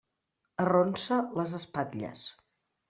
Arronsa les espatlles.